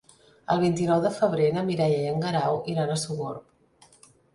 El vint-i-nou de febrer na Mireia i en Guerau iran a Sogorb.